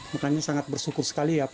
makanya sangat bersyukur sekali ya pak